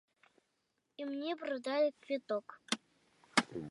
І мне прадалі квіток.